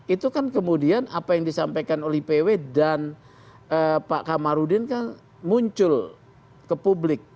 itu kan kemudian apa yang disampaikan oleh ipw dan pak kamarudin kan muncul ke publik